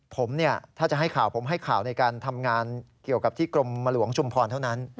ผมเนี่ยถ้าจะให้ข่าวผมให้ข่าวในการทำงานเกี่ยวกับที่กรมหลวงชุมพรเท่านั้น